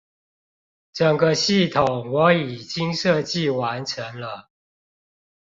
整個系統我已經設計完成了